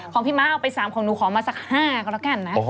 ของพี่ม้าเอาไป๓ของหนูขอมาสัก๕ก็แล้วกันนะ